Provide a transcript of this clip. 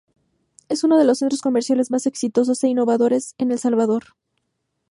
Es uno de los centros comerciales más exitosos e innovadores de El Salvador.